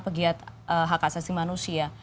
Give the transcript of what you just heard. pegiat hak asasi manusia